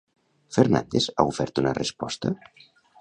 Fernàndez ha ofert una resposta?